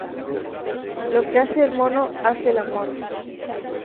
Lo que hace el mono hace la mona